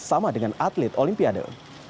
bersama dengan atlet olimpiade